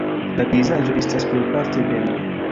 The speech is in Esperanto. La pejzaĝo estas plejparte ebena.